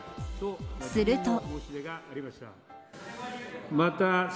すると。